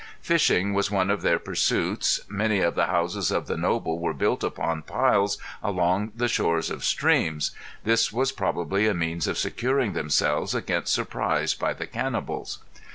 Fishing was one of their pursuits many of the houses of the noble were built upon piles along the shores of streams; this was probably a means of securing themselves against surprise by the cannibals.